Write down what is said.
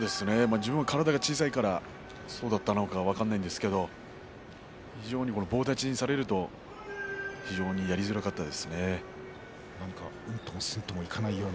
自分が体が小さいからそう思ったのかも分かりませんけれども相手に棒立ちされると非常にやりづらかったです。